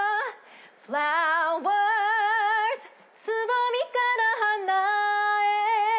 「つぼみから花へ」